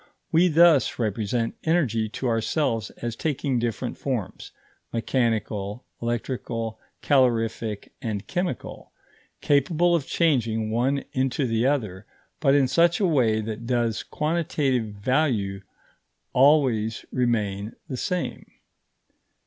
We thus represent energy to ourselves as taking different forms mechanical, electrical, calorific, and chemical capable of changing one into the other, but in such a way that the quantitative value always remains the same.